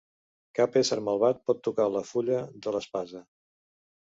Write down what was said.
Cap ésser malvat pot tocar la fulla de l'espasa.